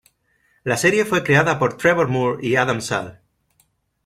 La serie fue creada por Trevor Moore y Adam Small.